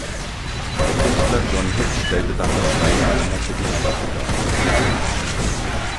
Der Künstler John Hood stellt darin zwei Jahrhunderte Geschichte dar.